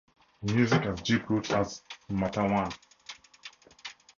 Music has deep roots at Matawan.